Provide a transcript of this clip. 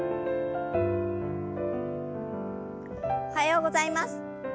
おはようございます。